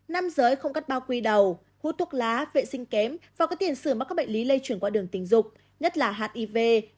nam giới không cắt bao quy đầu hút thuốc lá vệ sinh kém và có tiền sử mắc các bệnh lý lây chuyển qua đường tình dục nhất là hiv